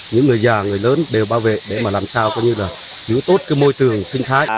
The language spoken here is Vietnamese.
những người già người lớn đều bảo vệ để mà làm sao có như là giữ tốt cái môi trường sinh thái